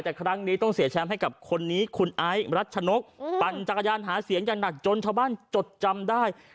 แต่ครั้งนี้ต้องเสียแชมป์ให้กับคนนี้คุณไอซ์รัชนกปั่นจักรยานหาเสียงอย่างหนักจนชาวบ้านจดจำได้